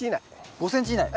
５ｃｍ以内。